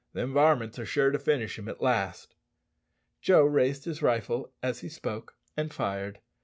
"Them varmints are sure to finish him at last." Joe raised his rifle as he spoke, and fired.